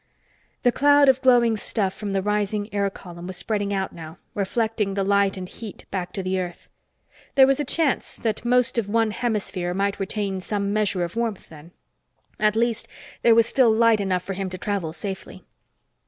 The cloud of glowing stuff from the rising air column was spreading out now, reflecting the light and heat back to the earth. There was a chance that most of one hemisphere might retain some measure of warmth, then. At least there was still light enough for him to travel safely.